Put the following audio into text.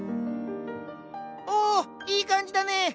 おいい感じだね！